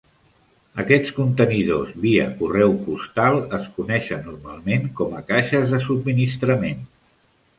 Aquests contenidors-via-correu postal es coneixen normalment com a "caixes de subministrament".